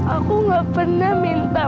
aku gak pernah minta